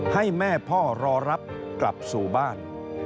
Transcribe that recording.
ให้แม่พ่อรอรับกลับสู่บ้าน